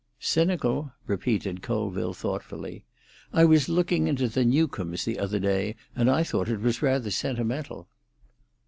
"Cynical?" repeated Colville thoughtfully. "I was looking into The Newcomes the other day, and I thought he was rather sentimental."